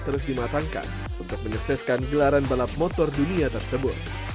terus dimatangkan untuk menyukseskan gelaran balap motor dunia tersebut